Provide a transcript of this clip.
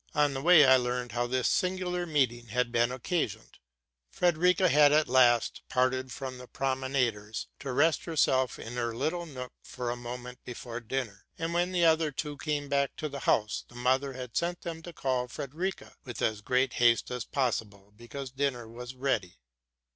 On the way I learned how this singular meeting had been occasioned. Frederica had at last parted from the promenaders to rest herself in her little nook for a moment before dinner; and, when the other two came back to the house, the mother had sent them to call Frederica with as great haste as possible, because dinner was ready.